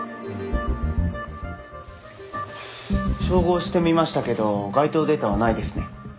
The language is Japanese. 照合してみましたけど該当データはないですね。